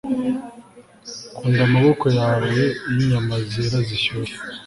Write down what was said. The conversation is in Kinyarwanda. nkunda amaboko yawe iyo inyama zera zishyushye